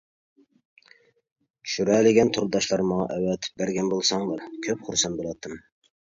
چۈشۈرەلىگەن تورداشلار ماڭا ئەۋەتىپ بەرگەن بولساڭلار كۆپ خۇرسەن بولاتتىم.